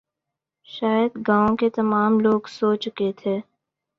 شاید گاؤں کے تمام لوگ سو چکے تھے